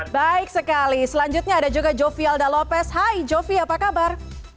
baik sekali selanjutnya ada juga jovi alda lopez hai jovi apa kabar